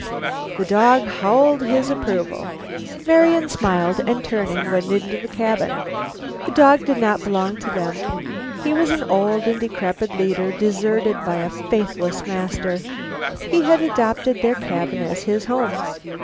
The dog howled his approval. Marian smiled, and turning went into the cabin. The dog did not belong to them. He was an old and decrepit leader, deserted by a faithless master. He had adopted their cabin as his home.